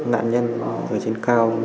nạn nhân ở trên cao